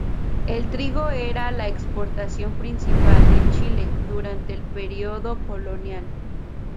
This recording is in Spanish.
El trigo era la exportación principal de Chile durante el período colonial.